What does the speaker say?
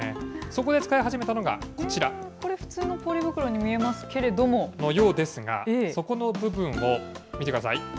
そこで使い始めたのが、こちこれ、普通のポリ袋に見えまのようですが、底の部分を、見てください。